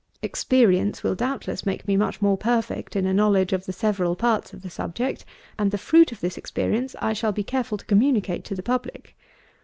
Experience will, doubtless, make me much more perfect in a knowledge of the several parts of the subject; and the fruit of this experience I shall be careful to communicate to the public."